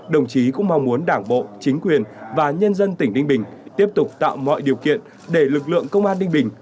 đồng chí cũng mong muốn đảng bộ chính quyền và nhân dân tỉnh ninh bình tiếp tục tạo mọi điều kiện để lực lượng công an ninh bình